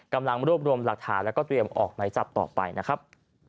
กำลังรวบรวมหลักฐานแล้วก็เตรียมออกไหมจับต่อไปนะครับ